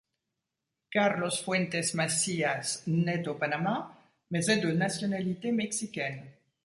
Carlos Fuentes Macías naît au Panama, mais est de nationalité mexicaine.